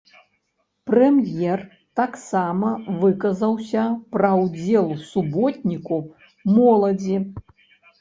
Прэм'ер таксама выказаўся пра ўдзел ў суботніку моладзі.